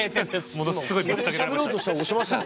ものすごいぶった切られました。